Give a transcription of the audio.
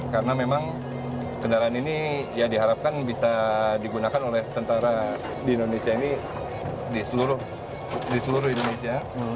karena memang kendaraan ini diharapkan bisa digunakan oleh tentara di indonesia ini di seluruh indonesia